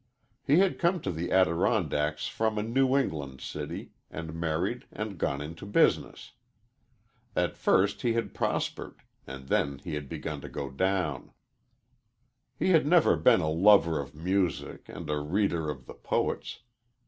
He had come to the Adirondacks from a New England city and married and gone into business. At first he had prospered, and then he had begun to go down. He had been a lover of music and a reader of the poets.